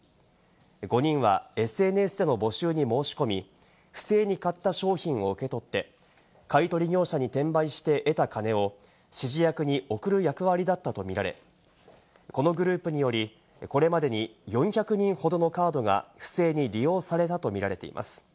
５人はＳＮＳでの募集に申し込み、不正に買った商品を受け取って、買い取り業者に転売して得た金を指示役に送る役割だったとみられ、このグループによりこれまでに４００人ほどのカードが不正に利用されたと見られています。